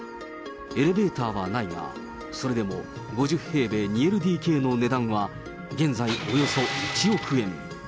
エレベーターはないが、それでも５０平米２ＬＤＫの値段は、現在およそ１億円。